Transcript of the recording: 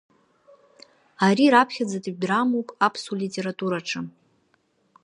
Ари раԥхьаӡатәи драмоуп аԥсуа литератураҿы.